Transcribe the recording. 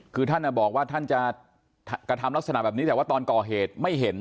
คือท่านบอกว่าท่านจะกระทำลักษณะแบบนี้แต่ว่าตอนก่อเหตุไม่เห็น